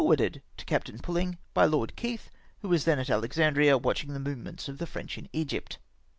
warded to Captain Pidliiig by Lord Keith, who was then at Alexandiia, watching the movements of the French m Egypt.